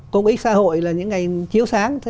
công ích xã hội là những ngành chiếu sáng